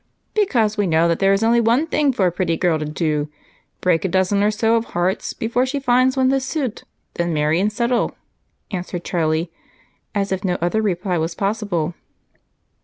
"Because we know that there is only one thing for a pretty girl to do break a dozen or so hearts before she finds one to suit, then marry and settle," answered Charlie, as if no other reply was possible.